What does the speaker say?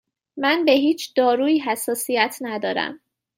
من به هیچ دارویی حساسیت ندارم.